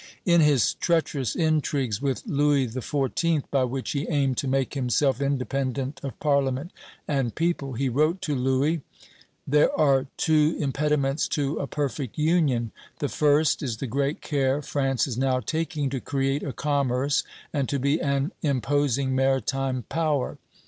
In his treacherous intrigues with Louis XIV., by which he aimed to make himself independent of Parliament and people, he wrote to Louis: "There are two impediments to a perfect union. The first is the great care France is now taking to create a commerce and to be an imposing maritime power.